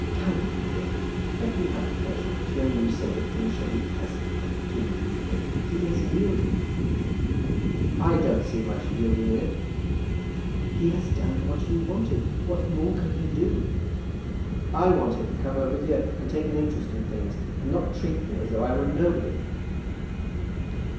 Come, my dear, let me have the pleasure of hearing you say that things shall be pleasant again between you and him. He has yielded." "I don't see much yielding in it." "He has done what you wanted. What more can he do?" "I want him to come over here, and take an interest in things, and not treat me as though I were nobody."